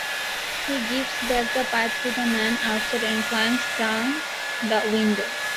He gives back the pipe to the man outside and climbs down the window.